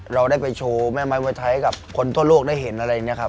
เราได้ไปโชว์แม่ไม้มวยไทยให้กับคนทั่วโลกได้เห็นอะไรอย่างนี้ครับ